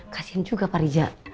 kasian juga pak rija